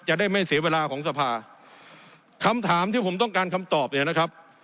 จะได้ไม่เสียเวลาของสภาคำถามที่ผมต้องการคำตอบเนี่ยนะครับ